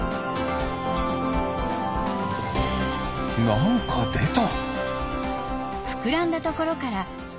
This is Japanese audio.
なんかでた。